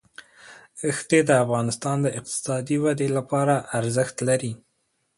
ښتې د افغانستان د اقتصادي ودې لپاره ارزښت لري.